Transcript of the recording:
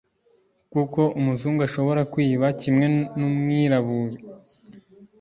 kuko umuzungu ashobora kwiba kimwe n’umwirabira